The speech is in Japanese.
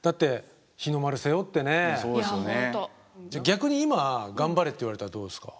逆に今「頑張れ」って言われたらどうですか？